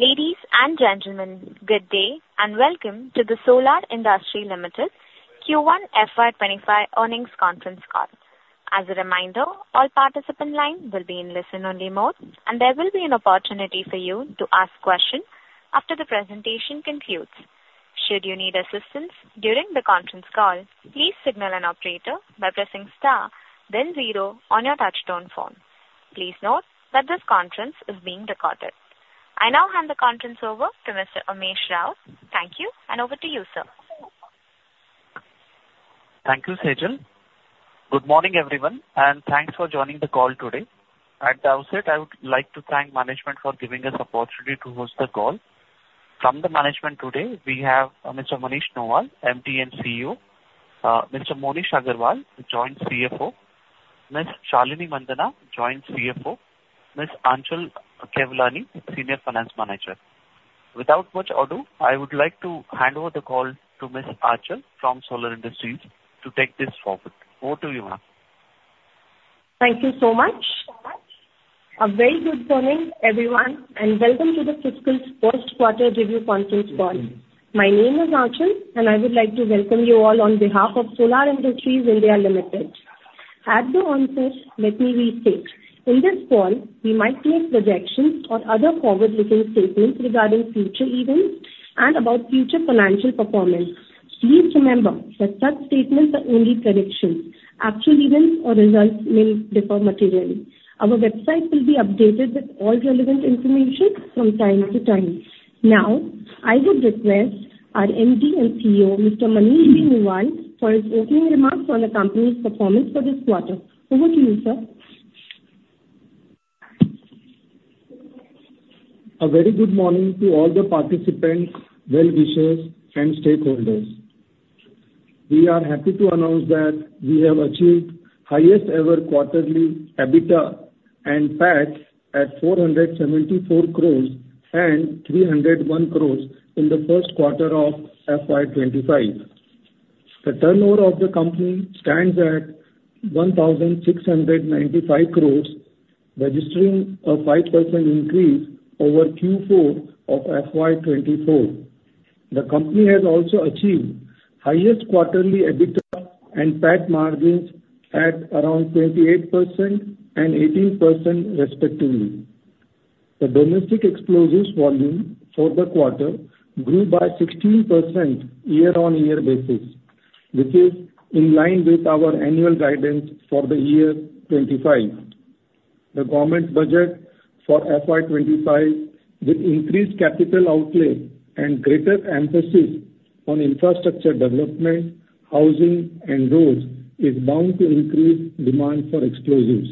Ladies and gentlemen, good day, and welcome to the Solar Industries India Limited Q1 FY25 Earnings Conference Call. As a reminder, all participant lines will be in listen-only mode, and there will be an opportunity for you to ask questions after the presentation concludes. Should you need assistance during the conference call, please signal an operator by pressing star, then zero on your touchtone phone. Please note that this conference is being recorded. I now hand the conference over to Mr. Umesh Rao. Thank you, and over to you, sir. Thank you, Sejal. Good morning, everyone, and thanks for joining the call today. At the outset, I would like to thank management for giving us opportunity to host the call. From the management today, we have Mr. Manish Nuwal, MD and CEO, Mr. Moneesh Agrawal, Joint CFO, Ms. Shalinee Mandhana, Joint CFO, Ms. Aanchal Kewlani, Senior Finance Manager. Without much ado, I would like to hand over the call to Ms. Aanchal from Solar Industries to take this forward. Over to you, ma'am. Thank you so much. A very good morning, everyone, and welcome to this fiscal Q1 review conference call. My name is Aanchal, and I would like to welcome you all on behalf of Solar Industries India Limited. At the onset, let me restate, in this call, we might make projections or other forward-looking statements regarding future events and about future financial performance. Please remember that such statements are only predictions. Actual events or results may differ materially. Our website will be updated with all relevant information from time to time. Now, I would request our MD and CEO, Mr. Manish Nuwal, for his opening remarks on the company's performance for this quarter. Over to you, sir. A very good morning to all the participants, well-wishers, and stakeholders. We are happy to announce that we have achieved highest ever quarterly EBITDA and PAT at 474 crore and 301 crore in the Q1 of FY 2025. The turnover of the company stands at 1,695 crore, registering a 5% increase over Q4 of FY 2024. The company has also achieved highest quarterly EBITDA and PAT margins at around 28% and 18%, respectively. The domestic explosives volume for the quarter grew by 16% year-on-year basis, which is in line with our annual guidance for the year 2025. The government's budget for FY 2025, with increased capital outlay and greater emphasis on infrastructure development, housing and roads, is bound to increase demand for explosives.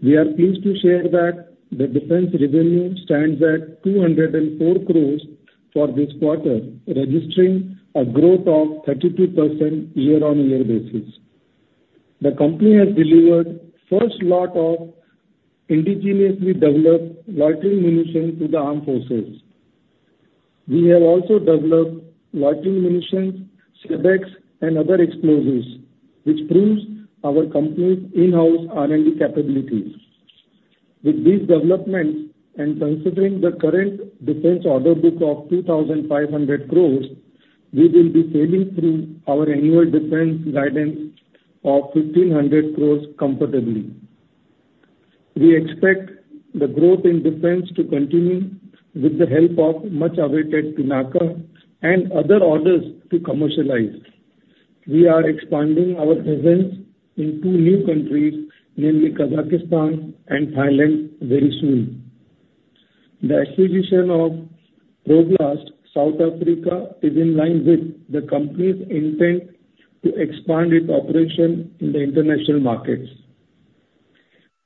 We are pleased to share that the defense revenue stands at 204 crore for this quarter, registering a growth of 32% year-on-year. The company has delivered first lot of indigenously developed loitering munition to the armed forces. We have also developed loitering munitions, SEBEX and other explosives, which proves our company's in-house R&D capabilities. With these developments, and considering the current defense order book of 2,500 crore, we will be sailing through our annual defense guidance of 1,500 crore comfortably. We expect the growth in defense to continue with the help of much-awaited PINAKA and other orders to commercialize. We are expanding our presence in two new countries, namely Kazakhstan and Thailand, very soon. The acquisition of ProBlast, South Africa, is in line with the company's intent to expand its operation in the international markets.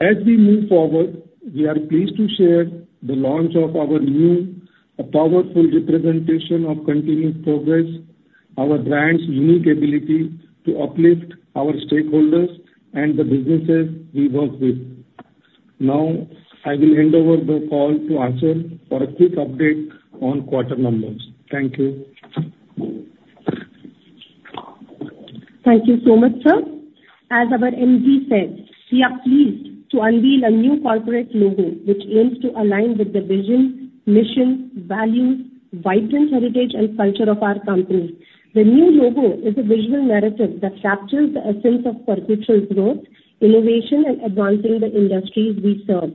As we move forward, we are pleased to share the launch of our new, a powerful representation of continuous progress, our brand's unique ability to uplift our stakeholders and the businesses we work with. Now, I will hand over the call to Aanchal for a quick update on quarter numbers. Thank you. Thank you so much, sir. As our MD said, we are pleased to unveil a new corporate logo, which aims to align with the vision, mission, values, vibrant heritage and culture of our company. The new logo is a visual narrative that captures the essence of perpetual growth, innovation, and advancing the industries we serve.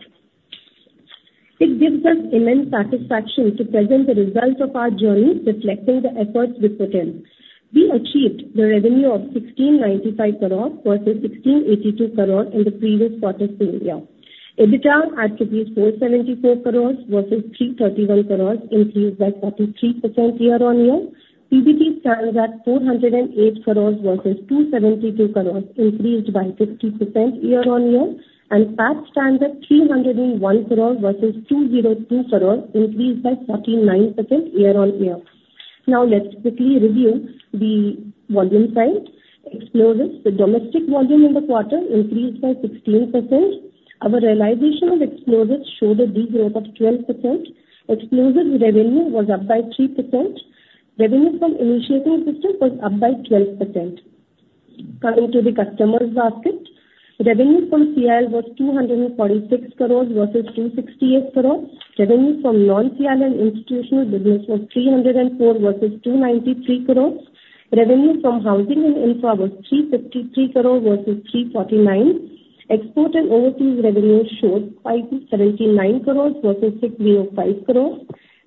It gives us immense satisfaction to present the results of our journey, reflecting the efforts we put in. We achieved the revenue of 1,695 crore versus 1,682 crore in the previous quarter year. EBITDA at 474 crore versus 331 crore, increased by 43% year-on-year. PBT stands at 408 crore versus 272 crore, increased by 50% year-on-year. PAT stands at 301 crore versus 202 crore, increased by 49% year-on-year. Now, let's quickly review the volume side. Explosives, the domestic volume in the quarter increased by 16%. Our realization of explosives showed a big growth of 12%. Explosives revenue was up by 3%. Revenue from initiating systems was up by 12%. Coming to the customer's basket, revenue from CL was 246 crores versus 268 crores. Revenue from non-CL and institutional business was 304 versus 293 crores. Revenue from housing and infra was 353 crores versus 349. Export and overseas revenue showed 579 crores versus 605 crores.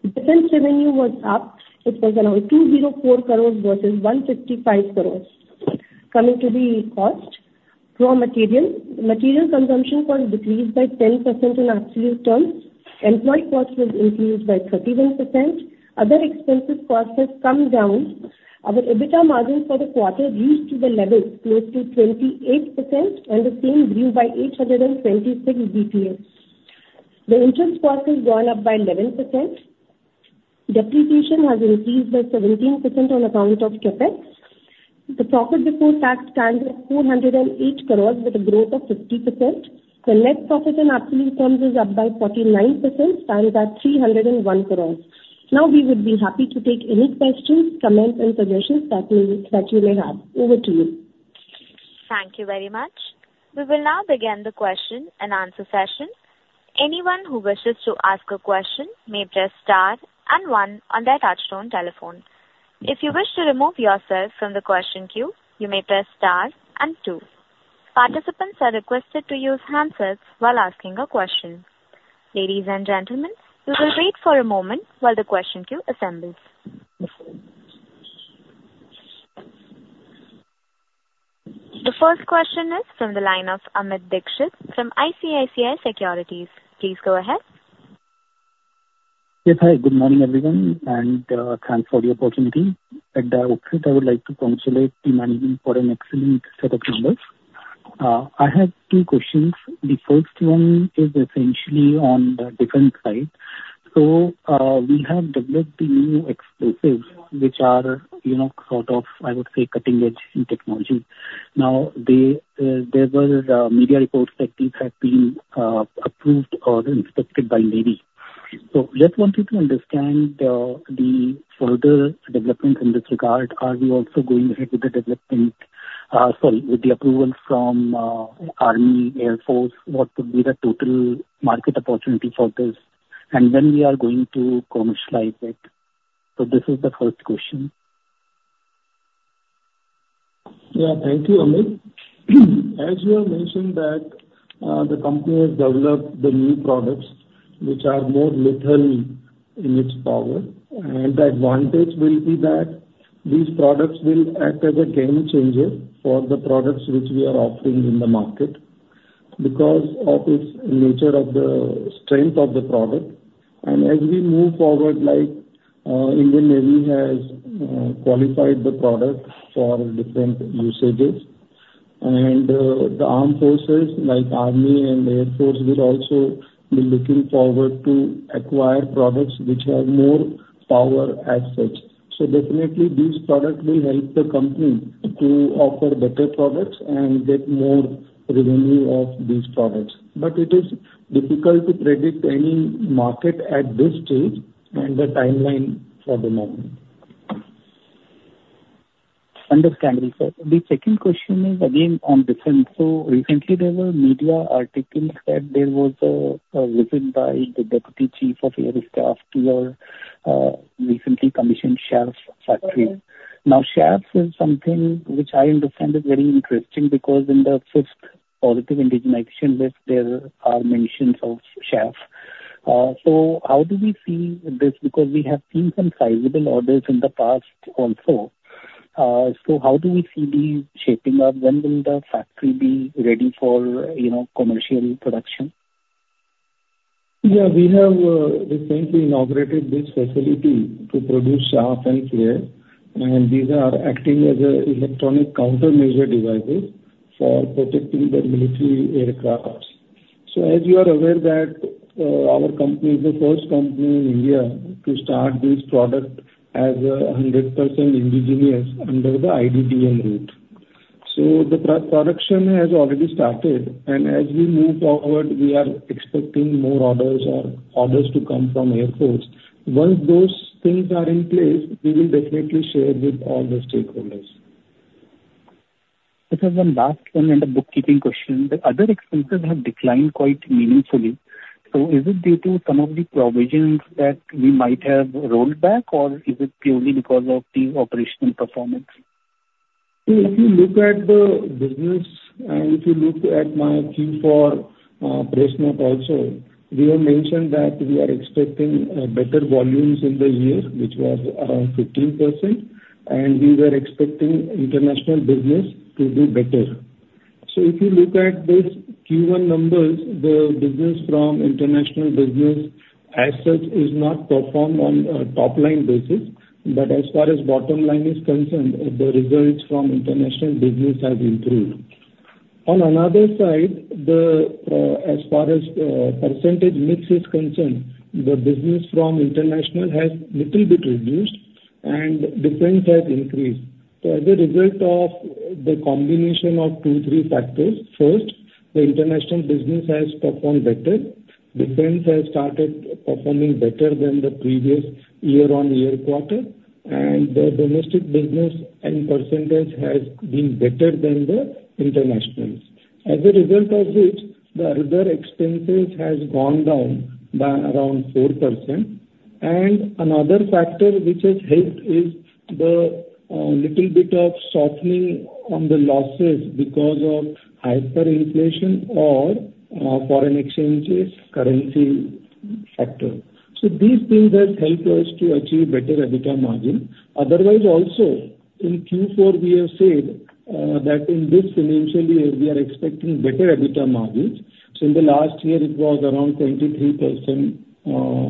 Defense revenue was up. It was around 204 crores versus 155 crores. Coming to the cost, raw material, material consumption cost decreased by 10% in absolute terms. Employee cost was increased by 31%. Other expense costs has come down. Our EBITDA margin for the quarter reached to the level close to 28%, and the same grew by 826 BPS. The interest cost has gone up by 11%. Depreciation has increased by 17% on account of CapEx. The profit before tax stands at 408 crores with a growth of 50%. The net profit in absolute terms is up by 49%, stands at 301 crores. Now, we would be happy to take any questions, comments, and suggestions that may, that you may have. Over to you. Thank you very much. We will now begin the question and answer session. Anyone who wishes to ask a question may press star and one on their touchtone telephone. If you wish to remove yourself from the question queue, you may press star and two. Participants are requested to use handsets while asking a question. Ladies and gentlemen, we will wait for a moment while the question queue assembles. The first question is from the line of Amit Dixit from ICICI Securities. Please go ahead. Yes, hi, good morning, everyone, and thanks for the opportunity. At the outset, I would like to congratulate the management for an excellent set of numbers. I have two questions. The first one is essentially on the different side. So, we have developed the new explosives, which are, you know, sort of, I would say, cutting edge in technology. Now, they, there were media reports that these have been approved or inspected by Navy. So just wanted to understand the further developments in this regard. Are we also going ahead with the development, sorry, with the approval from Army, Air Force, what would be the total market opportunity for this, and when we are going to commercialize it? So this is the first question. Yeah, thank you, Amit. As you have mentioned that, the company has developed the new products, which are more lethal in its power, and the advantage will be that these products will act as a game changer for the products which we are offering in the market because of its nature of the strength of the product. And as we move forward, like, Indian Navy has qualified the product for different usages, and, the armed forces, like Army and Air Force, will also be looking forward to acquire products which have more power as such. So definitely, these products will help the company to offer better products and get more revenue of these products. But it is difficult to predict any market at this stage and the timeline for the moment. Understandable, sir. The second question is again on defense. So recently, there were media articles that there was a visit by the Deputy Chief of Air Staff to your recently commissioned Chaff factory. Now, Chaff is something which I understand is very interesting because in the fifth positive indigenization list, there are mentions of Chaff. So how do we see this? Because we have seen some sizable orders in the past also. So how do we see this shaping up? When will the factory be ready for, you know, commercial production? Yeah, we have recently inaugurated this facility to produce Chaff and Flares, and these are acting as an electronic countermeasure devices for protecting the military aircraft. So as you are aware that, our company is the first company in India to start this product as a 100% indigenous under the IDDM route. So the production has already started, and as we move forward, we are expecting more orders or orders to come from Air Force. Once those things are in place, we will definitely share with all the stakeholders. Just as one last one and a bookkeeping question: the other expenses have declined quite meaningfully. So is it due to some of the provisions that we might have rolled back, or is it purely because of the operational performance? So if you look at the business, and if you look at my Q4 press note also, we have mentioned that we are expecting better volumes in the year, which was around 15%, and we were expecting international business to do better. So if you look at this Q1 numbers, the business from international business as such is not performed on a top-line basis, but as far as bottom line is concerned, the results from international business have improved. On another side, the, as far as percentage mix is concerned, the business from international has little bit reduced and defense has increased. So as a result of the combination of two, three factors, first, the international business has performed better. Defense has started performing better than the previous year-on-year quarter, and the domestic business and percentage has been better than the internationals. As a result of which, the other expenses has gone down by around 4%. Another factor which has helped is the little bit of softening on the losses because of hyperinflation or foreign exchanges currency factor. So these things have helped us to achieve better EBITDA margin. Otherwise, also, in Q4 we have said that in this financial year, we are expecting better EBITDA margins. So in the last year it was around 23%,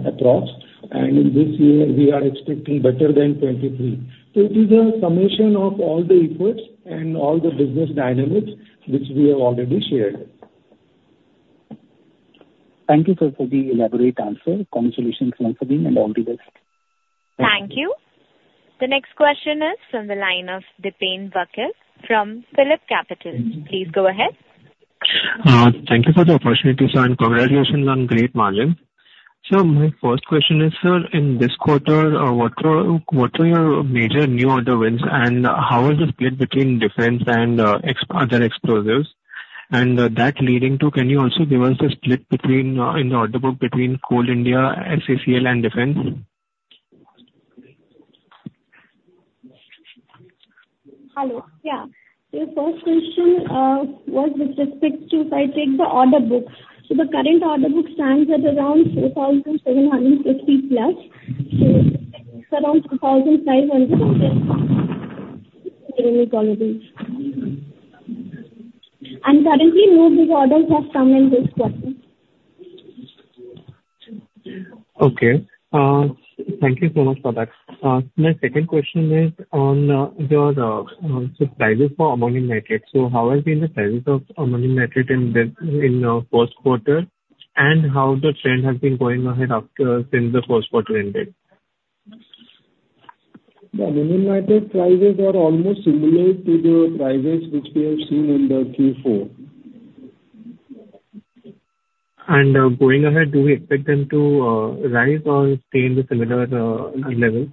across, and in this year we are expecting better than 23. So it is a summation of all the efforts and all the business dynamics, which we have already shared. Thank you, sir, for the elaborate answer. Congratulations once again, and all the best. Thank you. The next question is from the line of Dipen Vakil from PhillipCapital. Please go ahead. Thank you for the opportunity, sir, and congratulations on great margin. So my first question is, sir, in this quarter, what were, what are your major new order wins, and how is the split between defense and other explosives? And, that leading to, can you also give us a split between, in the order book between Coal India, SCCL and defense? Hello. Yeah. Your first question was with respect to if I check the order book. So the current order book stands at around 4,750+. So it's around 2,500 and currently, new big orders have come in this quarter. Okay. Thank you so much for that. My second question is on, your, so prices for ammonium nitrate. So how has been the prices of ammonium nitrate in this, in, Q1, and how the trend has been going ahead after, since the Q1 ended? The ammonium nitrate prices are almost similar to the prices which we have seen in the Q4. Going ahead, do we expect them to rise or stay in the similar level?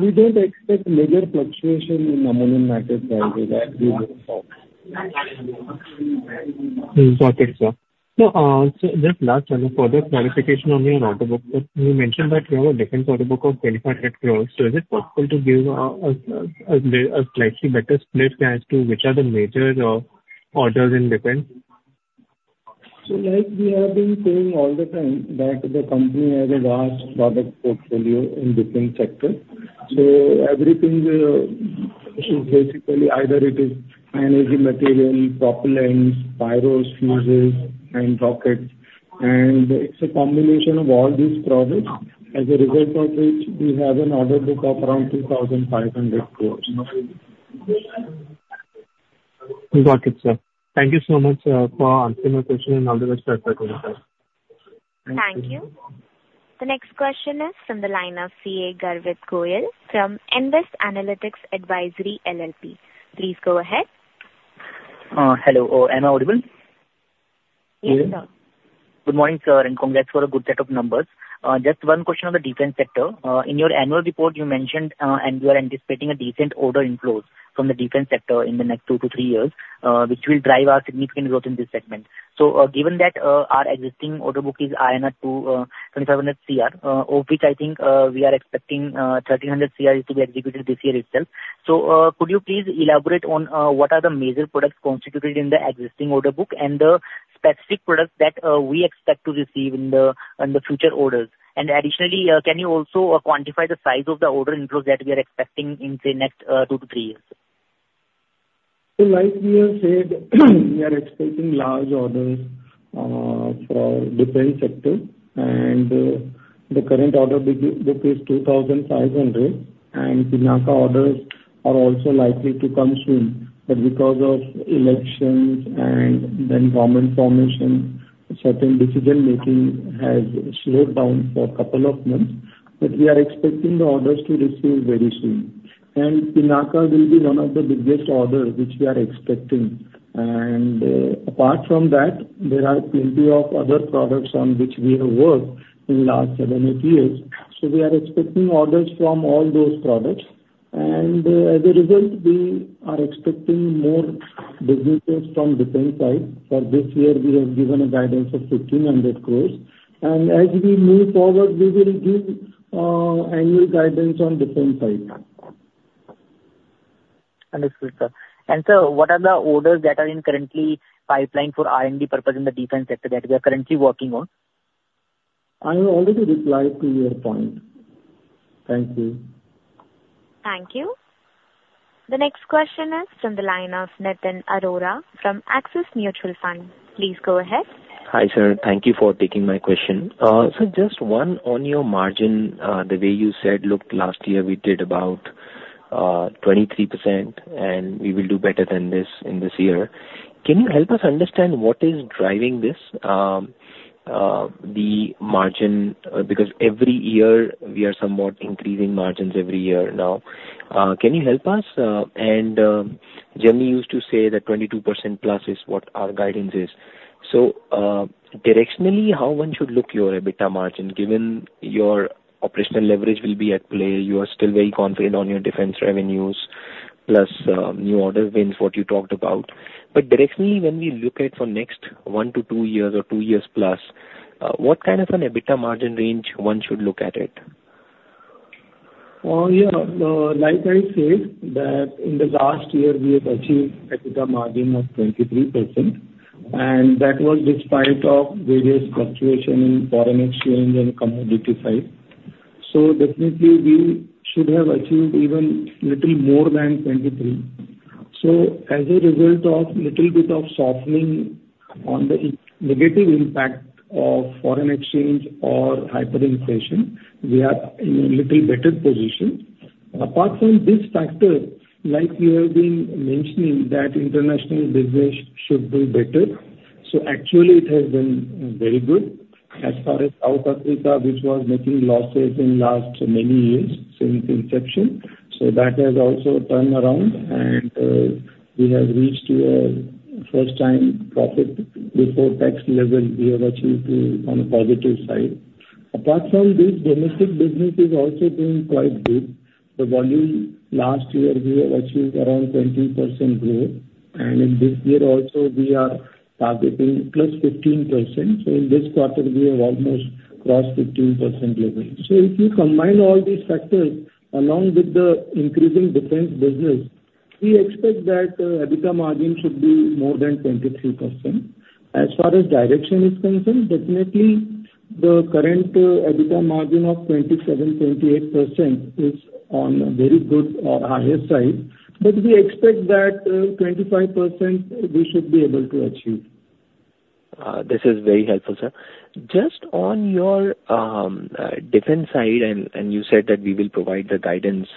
We don't expect major fluctuation in ammonium nitrate prices as we move forward. Got it, sir. So just last one, for the clarification on your order book. You mentioned that you have a defense order book of 2,500 crore. So is it possible to give, a slightly better split as to which are the major, orders in defense? So, like we have been saying all the time, that the company has a large product portfolio in different sectors. So everything, is basically either it is energy material, propellants, pyros, fuses, and rockets, and it's a combination of all these products, as a result of which we have an order book of around 2,500 crores. Got it, sir. Thank you so much, for answering my question, and all the best for quarter, sir. Thank you. The next question is from the line of CA Garvit Goyal from Invest Analytics Advisory LLP. Please go ahead. Hello. Am I audible? Yes, sir. Good morning, sir, and congrats for a good set of numbers. Just one question on the defense sector. In your annual report, you mentioned, and you are anticipating a decent order inflows from the defense sector in the next two to three years, which will drive our significant growth in this segment. So, given that, our existing order book is INR 2,500 cr, of which I think, we are expecting, 1,300 cr to be executed this year itself. So, could you please elaborate on, what are the major products constituted in the existing order book, and the specific products that, we expect to receive in the future orders? Additionally, can you also quantify the size of the order inflows that we are expecting in, say, next 2-3 years? So like we have said, we are expecting large orders for defense sector, and the current order book is 2,500 crores, and PINAKA orders are also likely to come soon. But because of elections and then government formation, certain decision-making has slowed down for a couple of months, but we are expecting the orders to receive very soon. And PINAKA will be one of the biggest orders which we are expecting. And apart from that, there are plenty of other products on which we have worked in last seven, eight years. So we are expecting orders from all those products. And as a result, we are expecting more businesses from defense side. For this year, we have given a guidance of 1,500 crores. And as we move forward, we will give annual guidance on defense side. Understood, sir. And sir, what are the orders that are in currently pipelined for R&D purpose in the defense sector that we are currently working on? I have already replied to your point. Thank you. Thank you. The next question is from the line of Nitin Arora from Axis Mutual Fund. Please go ahead. Hi, sir. Thank you for taking my question. So just one on your margin. The way you said, look, last year, we did about 23%, and we will do better than this in this year. Can you help us understand what is driving this, the margin? Because every year we are somewhat increasing margins every year now. Can you help us? And Jay used to say that 22% plus is what our guidance is. So, directionally, how one should look at your EBITDA margin, given your operational leverage will be at play, you are still very confident on your defense revenues, plus new order wins, what you talked about. But directionally, when we look at for next 1-2 years or 2 years plus, what kind of an EBITDA margin range one should look at it? Well, yeah, like I said, that in the last year, we have achieved EBITDA margin of 23%, and that was despite of various fluctuation in foreign exchange and commodity side. So definitely, we should have achieved even little more than 23. So as a result of little bit of softening on the negative impact of foreign exchange or hyperinflation, we are in a little better position. Apart from this factor, like we have been mentioning, that international business should do better, so actually it has been very good. As far as South Africa, which was making losses in last many years since inception, so that has also turned around and, we have reached to a first-time profit before tax level we have achieved on a positive side. Apart from this, domestic business is also doing quite good. The volume last year, we have achieved around 20% growth, and in this year also we are targeting +15%. So in this quarter, we have almost crossed 15% level. So if you combine all these factors, along with the increasing defense business, we expect that, EBITDA margin should be more than 23%. As far as direction is concerned, definitely the current, EBITDA margin of 27%-28% is on a very good or higher side, but we expect that, 25% we should be able to achieve. This is very helpful, sir. Just on your defense side, and you said that we will provide the guidance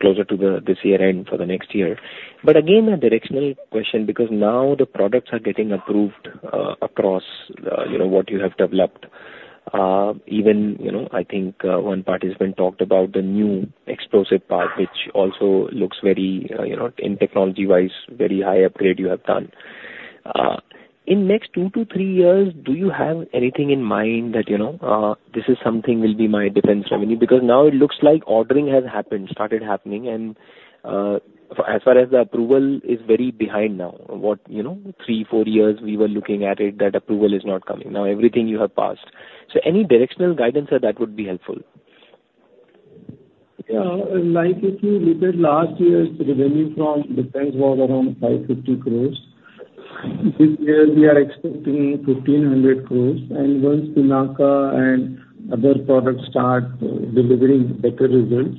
closer to this year-end for the next year. But again, a directional question, because now the products are getting approved across you know what you have developed. Even you know I think one participant talked about the new explosive part, which also looks very you know in technology-wise very high upgrade you have done. In next 2-3 years, do you have anything in mind that you know this is something will be my defense revenue? Because now it looks like ordering has happened started happening and as far as the approval is very behind now, what... You know 3-4 years we were looking at it, that approval is not coming. Now, everything you have passed. Any directional guidance, sir, that would be helpful. Yeah. Like, if you look at last year's revenue from defense was around 550 crores. This year we are expecting 1,500 crores, and once PINAKA and other products start delivering better results,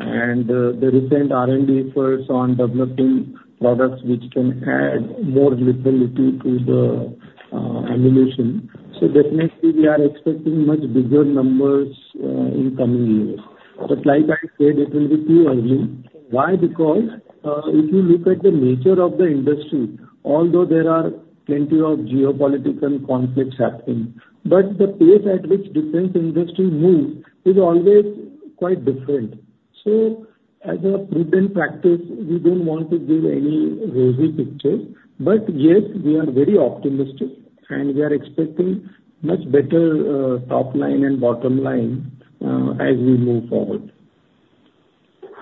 and the recent R&D efforts on developing products which can add more liquidity to the ammunition, so definitely we are expecting much bigger numbers in coming years. But like I said, it will be too early. Why? Because if you look at the nature of the industry, although there are plenty of geopolitical conflicts happening, but the pace at which defense industry moves is always quite different. So as a prudent practice, we don't want to give any rosy picture, but yes, we are very optimistic, and we are expecting much better top line and bottom line as we move forward.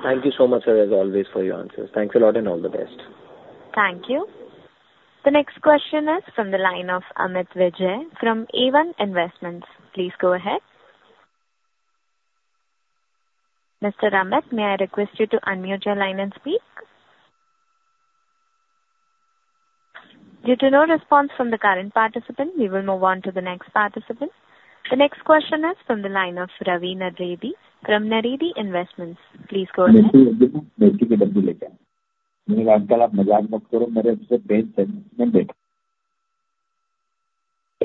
Thank you so much, sir, as always for your answers. Thanks a lot, and all the best. Thank you. The next question is from the line of Amit Vijay from AVON Investments. Please go ahead. Mr. Amit, may I request you to unmute your line and speak? Due to no response from the current participant, we will move on to the next participant. The next question is from the line of Ravi Naredi from Naredi Investments. Please go ahead.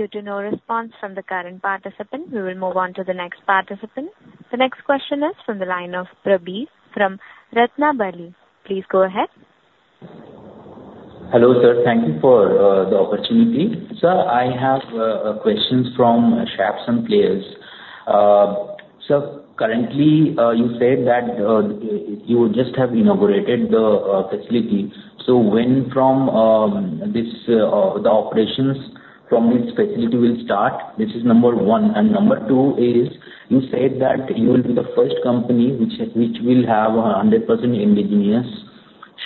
Due to no response from the current participant, we will move on to the next participant. The next question is from the line of Prabir from Ratnabali. Please go ahead. Hello, sir, thank you for the opportunity. Sir, I have a question from Chaff and Flares. Sir, currently, you said that you just have inaugurated the facility. So when from this the operations from this facility will start? This is number one. And number two is, you said that you will be the first company which will have 100% indigenous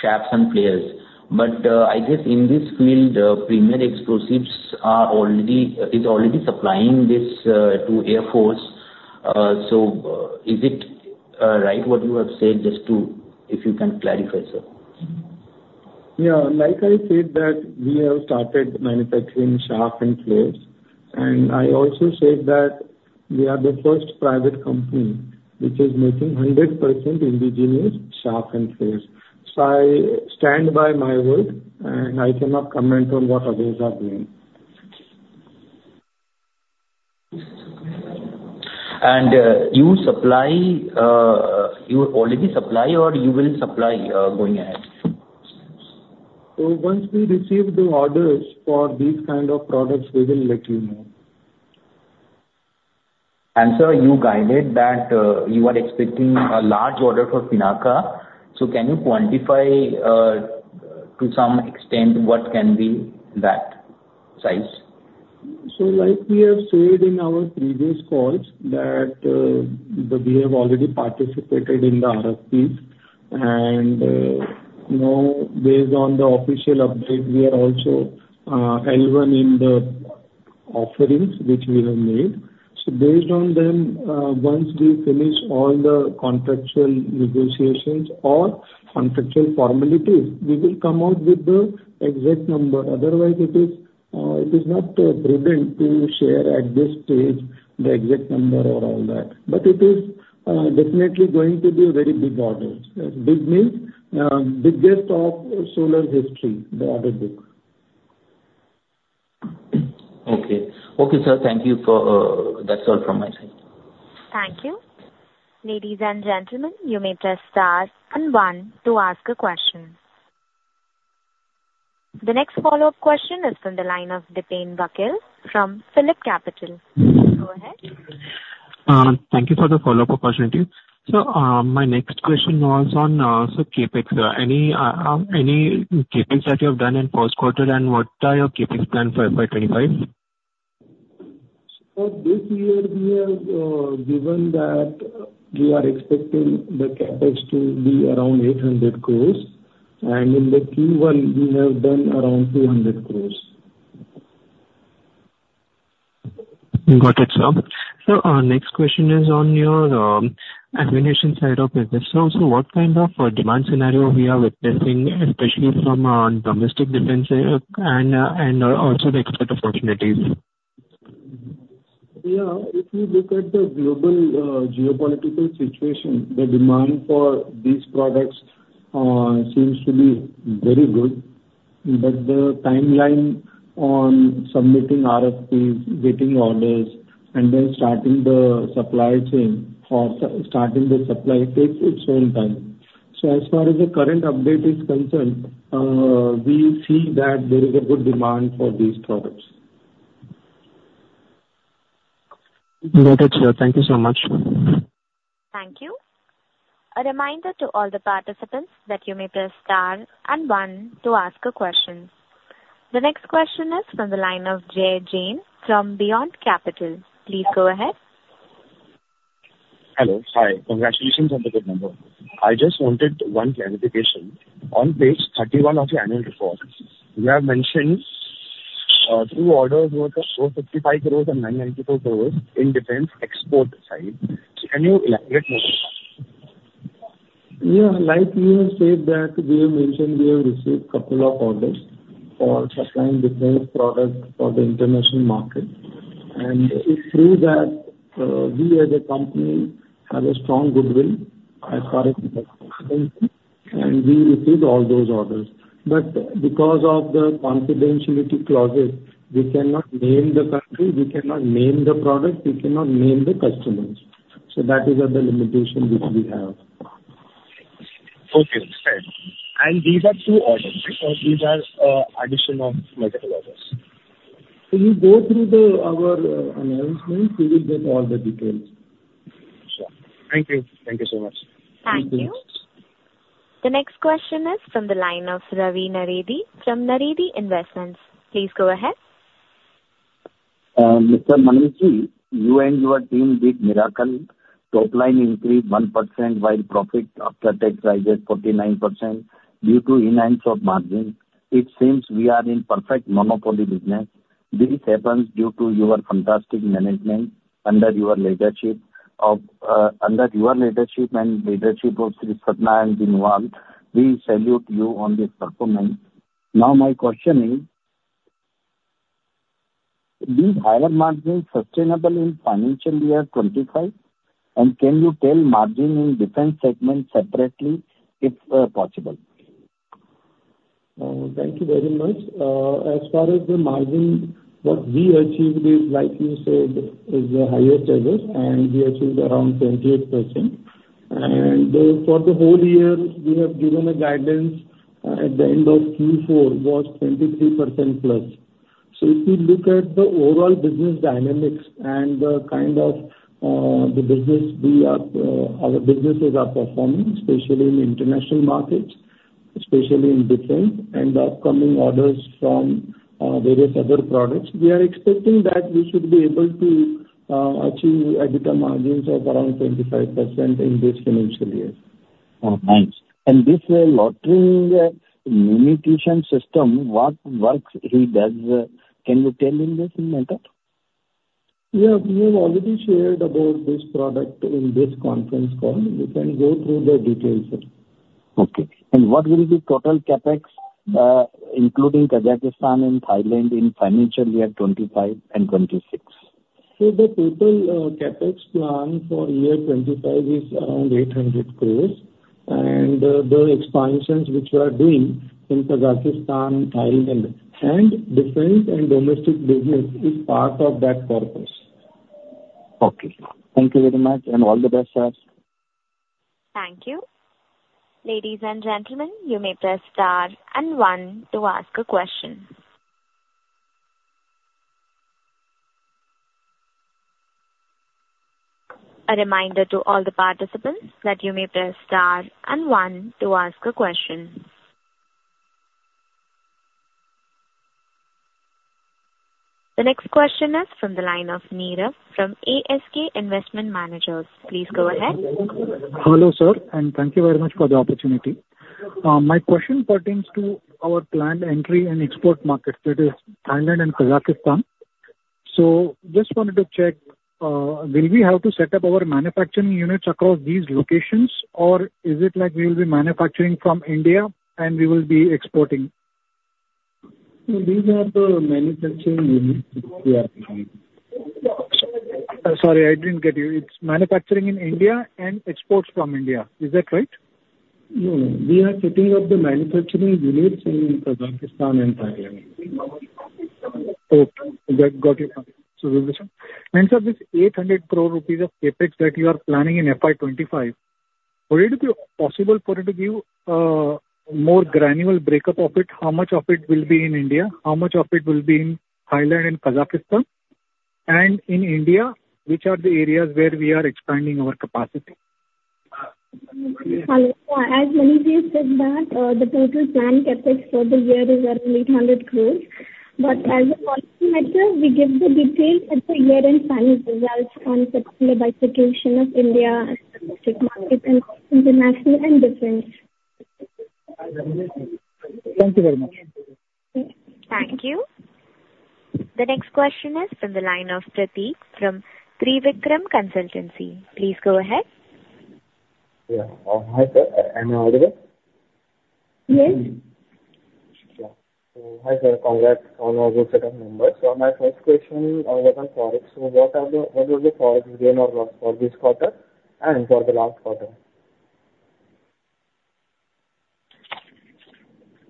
Chaff and Flares. But I guess in this field, Premier Explosives is already supplying this to Air Force. So is it right what you have said, just to... If you can clarify, sir? Yeah, like I said, that we have started manufacturing Chaff and Flares, and I also said that we are the first private company which is making 100% indigenous Chaff and Flares. So I stand by my word, and I cannot comment on what others are doing. You already supply or you will supply going ahead? ... So once we receive the orders for these kind of products, we will let you know. Sir, you guided that you are expecting a large order for PINAKA. So can you quantify to some extent what can be that size? So like we have said in our previous calls, that we have already participated in the RFPs. And now based on the official update, we are also in the offerings which we have made. So based on them, once we finish all the contractual negotiations or contractual formalities, we will come out with the exact number. Otherwise, it is not prudent to share at this stage the exact number or all that. But it is definitely going to be a very big order. Big means biggest of Solar history, the order book. Okay. Okay, sir, thank you for... That's all from my side. Thank you. Ladies and gentlemen, you may press star and one to ask a question. The next follow-up question is from the line of Dipen Vakil from PhillipCapital. Go ahead. Thank you for the follow-up opportunity. So, my next question was on CapEx. Any CapEx that you have done in Q1, and what are your CapEx plan for FY 25? This year we have, given that we are expecting the CapEx to be around 800 crores, and in the Q1 we have done around 200 crores. Got it, sir. So our next question is on your aviation side of business. So what kind of a demand scenario we are witnessing, especially from a domestic defense side, and also the export opportunities? Yeah, if you look at the global, geopolitical situation, the demand for these products seems to be very good, but the timeline on submitting RFPs, getting orders, and then starting the supply chain or starting the supply takes its own time. So as far as the current update is concerned, we see that there is a good demand for these products. Got it, sir. Thank you so much. Thank you. A reminder to all the participants that you may press star and one to ask a question. The next question is from the line of Jay Jain from Buoyant Capital. Please go ahead. Hello. Hi. Congratulations on the good number. I just wanted one clarification. On page 31 of the annual report, you have mentioned two orders worth 455 crore and 994 crore in defense export side. Can you elaborate more? Yeah, like we have said that, we have mentioned we have received couple of orders for supplying defense products for the international market. And it's true that, we as a company have a strong goodwill as far as the, and we received all those orders. But because of the confidentiality clauses, we cannot name the country, we cannot name the product, we cannot name the customers. So that is the limitation which we have. Okay. These are two orders, or these are addition of multiple orders? So you go through our announcement, you will get all the details. Sure. Thank you. Thank you so much. Thank you. The next question is from the line of Ravi Naredi from Naredi Investments. Please go ahead. Mr. Manishji, you and your team did miracle. Topline increased 1%, while profit after tax rises 49% due to enhance of margin. It seems we are in perfect monopoly business. This happens due to your fantastic management under your leadership of, under your leadership and leadership of Shri Satya and Vinod. We salute you on this performance. Now, my question is, is higher margin sustainable in financial year 25? And can you tell margin in different segments separately, if possible? Thank you very much. As far as the margin, what we achieved is, like you said, is the highest ever, and we achieved around 28%. And then for the whole year, we have given a guidance, at the end of Q4 was 23%+. So if you look at the overall business dynamics and the kind of, the business we are, our businesses are performing, especially in international markets, especially in defense and the upcoming orders from, various other products, we are expecting that we should be able to, achieve EBITDA margins of around 25% in this financial year. Oh, nice. And this loitering munition system, what works it does, can you tell me this in a minute? Yeah, we have already shared about this product in this conference call. You can go through the details, sir. Okay. And what will be total CapEx, including Kazakhstan and Thailand in financial year 25 and 26? The total CapEx plan for year 2025 is around 800 crore. The expansions which we are doing in Kazakhstan, Thailand, and defense and domestic business is part of that purpose. Okay. Thank you very much, and all the best, sir.... Thank you. Ladies and gentlemen, you may press star and one to ask a question. A reminder to all the participants that you may press star and one to ask a question. The next question is from the line of Neeraj from ASK Investment Managers. Please go ahead. Hello, sir, and thank you very much for the opportunity. My question pertains to our planned entry and export markets, that is Thailand and Kazakhstan. Just wanted to check, will we have to set up our manufacturing units across these locations, or is it like we will be manufacturing from India and we will be exporting? These are the manufacturing units we are planning. Sorry, I didn't get you. It's manufacturing in India and exports from India. Is that right? No. We are setting up the manufacturing units in Kazakhstan and Thailand. Okay. Got it. So, sir, this 800 crore rupees of CapEx that you are planning in FY 2025, would it be possible for you to give more granular breakup of it? How much of it will be in India, how much of it will be in Thailand and Kazakhstan? And in India, which are the areas where we are expanding our capacity? Hello. As Manish said that, the total planned CapEx for the year is around 800 crore. But as a policy matter, we give the detail at the year-end financial results on the by situation of India, specific market, and international and defense. Thank you very much. Thank you. The next question is from the line of Pratik from Trivikram Consultants. Please go ahead. Yeah. Hi, sir. Am I audible? Yes. Yeah. So hi, sir, congrats on a good set of numbers. So my first question is on Forex. So what is the Forex gain or loss for this quarter and for the last quarter?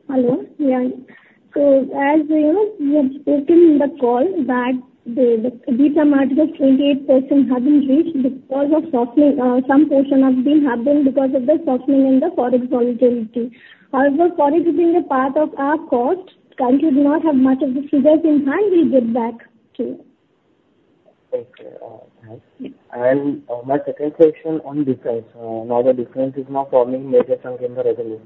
Hello, yeah. So as you know, we have spoken in the call that the EBITDA margin 28% haven't reached because of softening, some portion of them have been because of the softening and the Forex volatility. However, Forex is being a part of our cost. Currently, we do not have much of the figures in hand. We'll get back to you. Okay, my second question on defense. Now the defense is now forming major chunk in the revenue.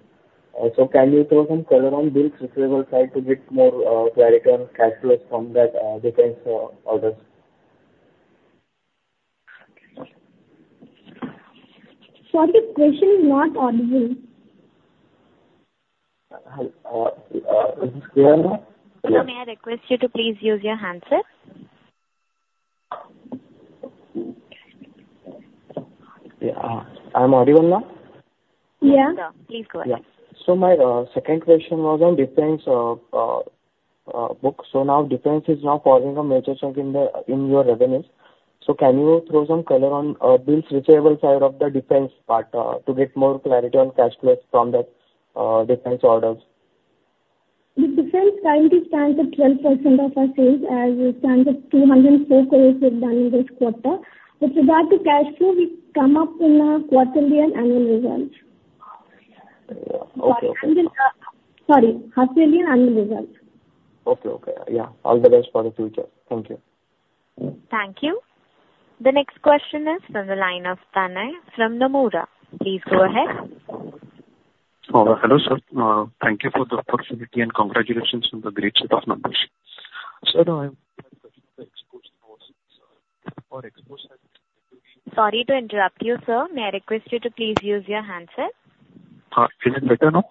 So can you throw some color on this receivable side to get more clarity on cash flows from that defense orders? Sorry, the question is not audible. Is it clear now? Sir, may I request you to please use your handset? Yeah. I am audible now? Yeah. Please go ahead. Yeah. So my second question was on defense book. So now defense is now forming a major chunk in the, in your revenues. So can you throw some color on, bills receivable side of the defense part, to get more clarity on cash flows from that, defense orders? The defense currently stands at 12% of our sales, and it stands at 204 crore we've done in this quarter. With regard to cash flow, we come up in the quarterly and annual results. Okay. Sorry, quarterly and annual results. Okay, okay. Yeah. All the best for the future. Thank you. Thank you. The next question is from the line of Dhanay from Nomura. Please go ahead. Hello, sir. Thank you for the opportunity, and congratulations on the great set of numbers. Sir, I have a question on the export notes. Our exports- Sorry to interrupt you, sir. May I request you to please use your handset? Is it better now?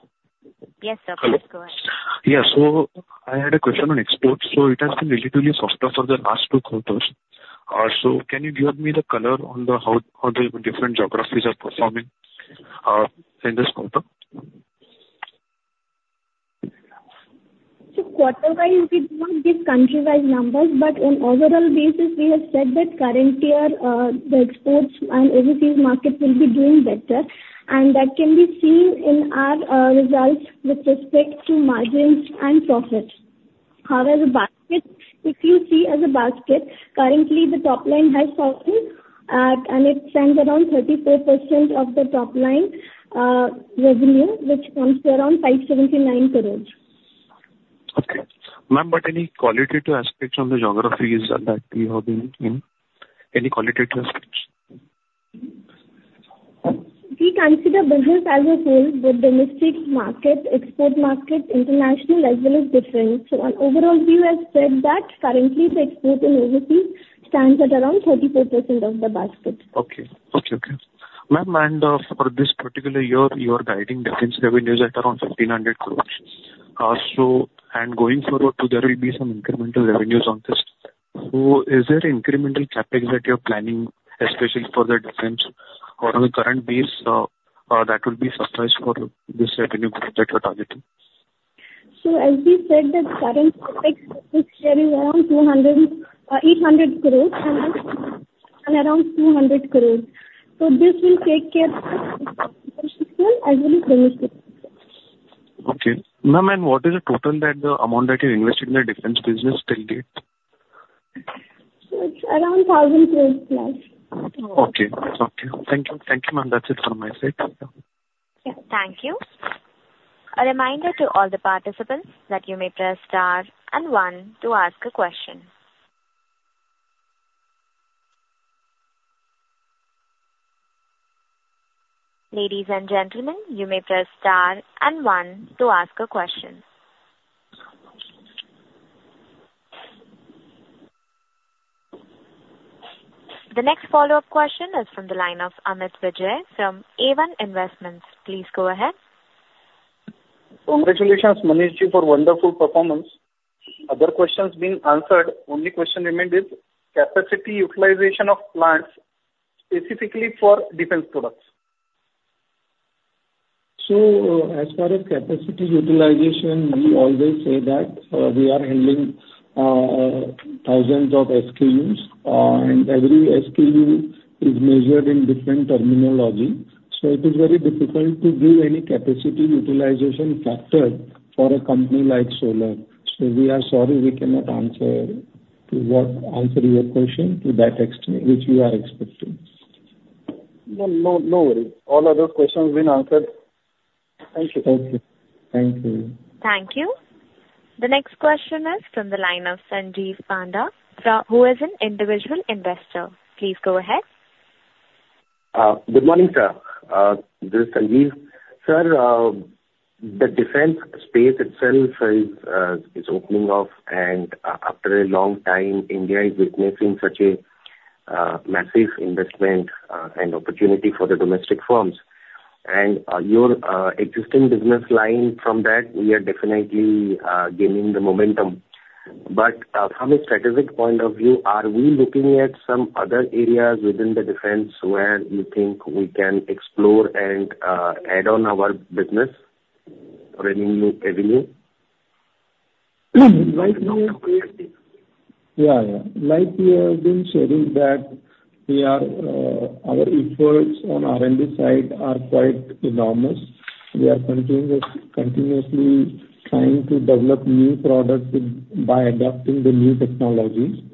Yes, sir. Please go ahead. Hello. Yeah, so I had a question on exports. So it has been relatively softer for the last two quarters. So can you give me the color on how the different geographies are performing in this quarter? So quarter by, we do not give countrywide numbers, but on overall basis, we have said that current year, the exports and overseas markets will be doing better, and that can be seen in our, results with respect to margins and profits. However, basket, if you see as a basket, currently the top line has fallen, and it stands around 34% of the top line revenue, which comes to around 579 crore. Okay. Ma'am, but any qualitative aspects on the geographies that you have been in? Any qualitative aspects? We consider business as a whole, both domestic market, export market, international as well as different. So on overall, we have said that currently the export and overseas stands at around 34% of the basket. Okay. Okay, okay. Ma'am, and, for this particular year, you are guiding defense revenues at around 1,500 crore. So, and going forward, there will be some incremental revenues on this. So is there incremental CapEx that you're planning, especially for the defense or on a current base, that will be sufficient for this revenue growth that you're targeting? So, as we said, that current CapEx this year is around 200, 800 crores and, and around 200 crores. So this will take care of as well as domestic. ...Okay. Ma'am, and what is the total that the amount that you invested in the defense business till date? It's around INR 1,000 crore plus. Okay. Okay. Thank you. Thank you, ma'am. That's it from my side. Yeah. Thank you. A reminder to all the participants that you may press star and one to ask a question. Ladies and gentlemen, you may press star and one to ask a question. The next follow-up question is from the line of Amit Vijay from AVON Investments. Please go ahead. Congratulations, Manish, for wonderful performance. Other questions being answered, only question remained is capacity utilization of plants, specifically for defense products. So, as far as capacity utilization, we always say that, we are handling, thousands of SKUs, and every SKU is measured in different terminology, so it is very difficult to give any capacity utilization factor for a company like Solar. So we are sorry, we cannot answer to what—answer your question to that extent, which you are expecting. No, no, no worry. All other questions been answered. Thank you. Thank you. Thank you. Thank you. The next question is from the line of Sanjiv Panda, from... who is an individual investor. Please go ahead. Good morning, sir. This is Sanjiv. Sir, the defense space itself is opening up, and after a long time, India is witnessing such a massive investment and opportunity for the domestic firms. And your existing business line from that, we are definitely gaining the momentum. But from a strategic point of view, are we looking at some other areas within the defense where you think we can explore and add on our business or a new avenue? Yeah. Yeah. Like we have been sharing that we are, our efforts on R&D side are quite enormous. We are continuously, continuously trying to develop new products with, by adopting the new technologies.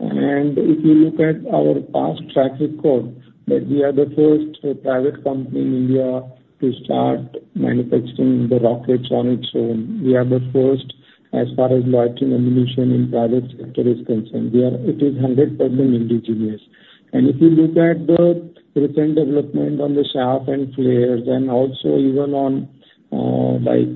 And if you look at our past track record, that we are the first, private company in India to start manufacturing the rockets on its own. We are the first, as far as loitering ammunition in private sector is concerned. We are. It is 100% indigenous. And if you look at the recent development on the chaff and flares and also even on, like,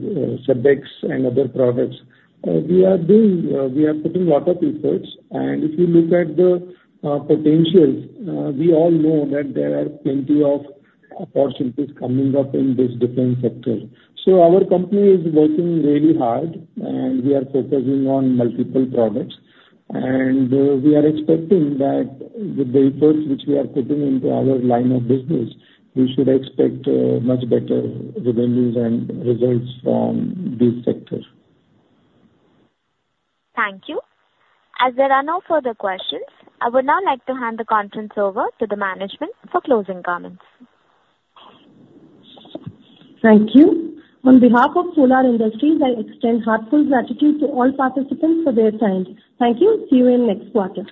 SEBEX and other products, we are doing, we are putting a lot of efforts. And if you look at the, potentials, we all know that there are plenty of opportunities coming up in this defense sector. Our company is working really hard, and we are focusing on multiple products, and we are expecting that with the efforts which we are putting into our line of business, we should expect much better revenues and results from this sector. Thank you. As there are no further questions, I would now like to hand the conference over to the management for closing comments. Thank you. On behalf of Solar Industries, I extend heartfelt gratitude to all participants for their time. Thank you. See you in next quarter.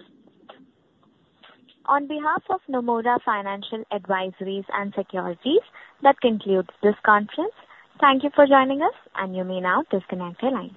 On behalf of Nomura Financial Advisory and Securities, that concludes this conference. Thank you for joining us, and you may now disconnect your lines.